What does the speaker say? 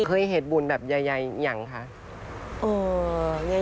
เคยเห็ดบุญแบบใหญ่อย่างที่นี่ค่ะ